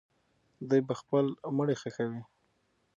دوی به خپل مړي ښخوي.